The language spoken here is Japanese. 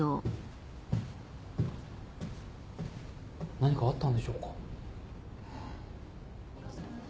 何かあったんでしょうか？